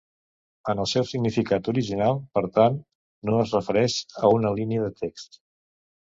En el seu significat original, per tant, no es refereix a una línia de text.